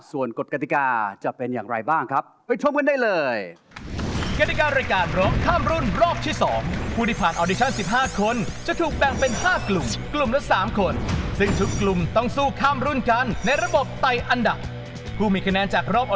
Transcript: ส่วนกฎกติกาจะเป็นอย่างไรบ้างครับไปชมกันได้เลย